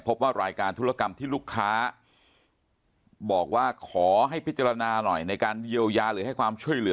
พบว่ารายการธุรกรรมที่ลูกค้าบอกว่าขอให้พิจารณาหน่อยในการเยียวยาหรือให้ความช่วยเหลือ